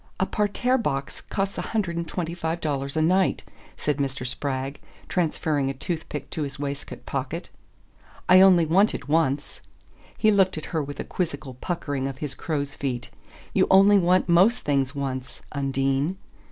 "A parterre box costs a hundred and twenty five dollars a night," said Mr. Spragg, transferring a toothpick to his waistcoat pocket. "I only want it once." He looked at her with a quizzical puckering of his crows' feet. "You only want most things once. Undine."